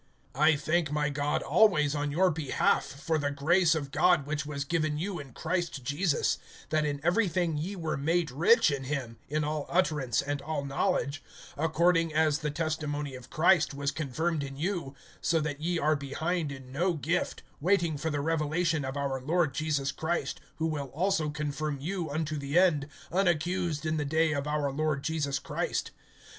(4)I thank my God always on your behalf, for the grace of God which was given you in Christ Jesus; (5)that in everything ye were made rich in him, in all utterance and all knowledge; (6)according as the testimony of Christ was confirmed in you; (7)so that ye are behind in no gift, waiting for the revelation of our Lord Jesus Christ; (8)who will also confirm you unto the end, unaccused in the day of our Lord Jesus Christ.